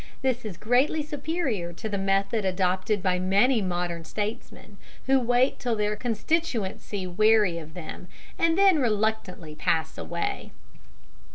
This is greatly superior to the method adopted by many modern statesmen, who wait till their constituency weary of them, and then reluctantly pass away.